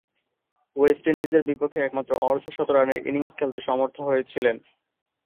West ইন্ডিজের বিপক্ষে একমাত্র অর্ধ-শতরানের ইনিংস খেলতে সমর্থ হয়েছিলেন।